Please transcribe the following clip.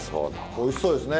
おいしそうですね。